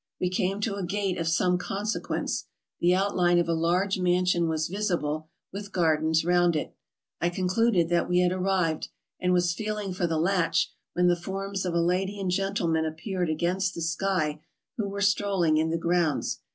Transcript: We came to a gate of some consequence. The outline of a large mansion was visible, with gardens round it. I concluded that we had arrived, and was feeling for the latch when the forms of a lady and gentleman appeared against the sky who were strolling in the grounds.